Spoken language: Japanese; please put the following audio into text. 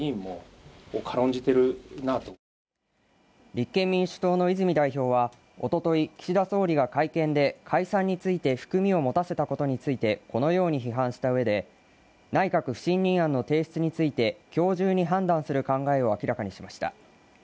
立憲民主党の泉代表はおととい、岸田総理が会見で解散について含みを持たせたことについてこのように批判したうえで内閣不信任案の提出について今日中に判断する考えを明らかにしました。